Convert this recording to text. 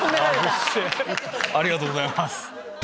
・うれしいありがとうございます。